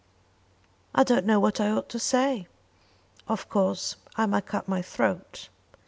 "I don't know what I ought to say." "Of course I might cut my throat."